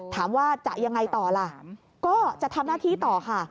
ถามว่าจะยังไงต่อล่ะก็จะทำหน้าที่ต่อค่ะ